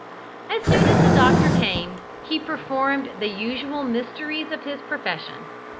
As soon as the doctor came he performed the usual mysteries of his profession.